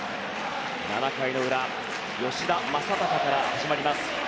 ７回の裏吉田正尚から始まります。